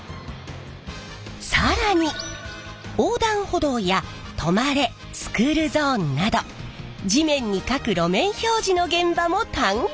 更に横断歩道や「止まれ」「スクールゾーン」など地面にかく路面標示の現場も探検！